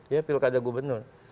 ya pilkada gubernur